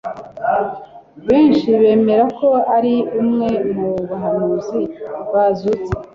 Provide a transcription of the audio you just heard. Benshi bemera ko ari umwe mu bahanuzi bazutse.